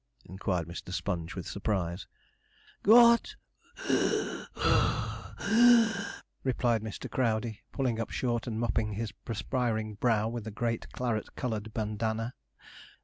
inquired Mr. Sponge, with surprise. 'Got! (wheeze puff wheeze),' replied Mr. Crowdey, pulling up short, and mopping his perspiring brow with a great claret coloured bandana.